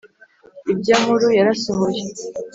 irya nkuru yarasohoye